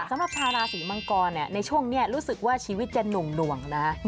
สำหรับชาวราศีมังกรในช่วงนี้รู้สึกว่าชีวิตจะหน่วงนะ